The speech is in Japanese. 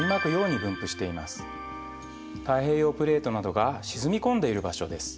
太平洋プレートなどが沈み込んでいる場所です。